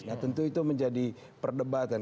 nah tentu itu menjadi perdebatan